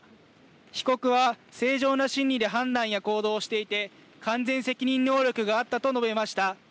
被告は正常な心理で判断や行動をしていて完全責任能力があったと述べました。